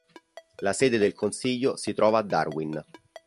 La sede del consiglio si trova a Darwin